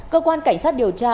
cơ quan cảnh sát điều tra